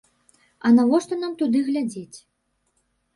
А навошта нам туды глядзець?!